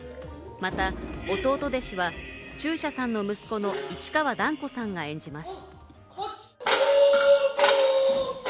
また弟弟子は中車さんの息子の市川團子さんが演じます。